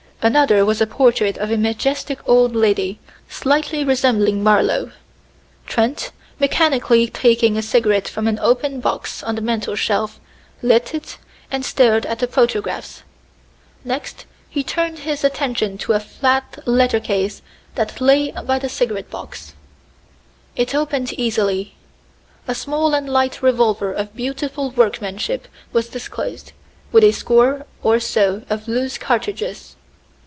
Another was a portrait of a majestic old lady, slightly resembling Marlowe. Trent, mechanically taking a cigarette from an open box on the mantel shelf, lit it and stared at the photographs. Next he turned his attention to a flat leathern case that lay by the cigarette box. It opened easily. A small and light revolver of beautiful workmanship was disclosed, with a score or so of loose cartridges.